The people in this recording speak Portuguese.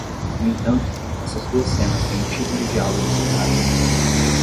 No entanto, essas duas cenas têm um tipo de diálogo socrático.